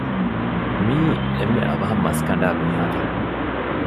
މިއީ އެންމެ އަވަހަށް މަސް ކަނޑާ މީހާތަ؟